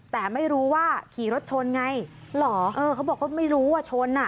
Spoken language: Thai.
แต่ไม่รู้ว่าขี่รถชนไงเขาบอกว่าไม่รู้ว่าชน